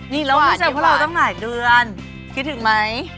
น่ากลัวเจอพวกเราต้องหลายเดือนคิดถึงมั้ย